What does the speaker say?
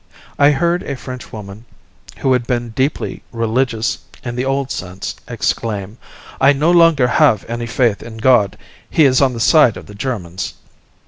I heard a Frenchwoman who had been deeply "religious" in the old sense exclaim: "I no longer have any faith in God; he is on the side of the Germans."